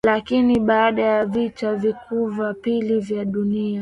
Lakini baada ya Vita vikuu vya pili vya dunia